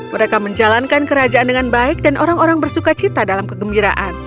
mereka menjalankan kerajaan dengan baik dan orang orang bersuka cita dalam kegembiraan